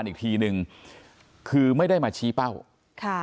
มีรถกระบะจอดรออยู่นะฮะเพื่อที่จะพาหลบหนีไป